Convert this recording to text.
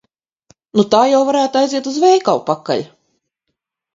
Nu tā jau varētu aiziet uz veikalu pakaļ.